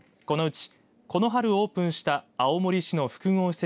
このうち、この春オープンした青森市の複合施設